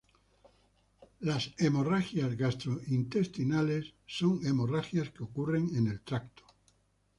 Hemorragias gastrointestinales son hemorragias que ocurren en el tracto.